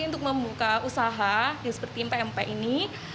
untuk membuka usaha seperti pmp ini